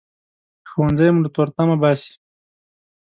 ښوونځی مو له تورتمه باسي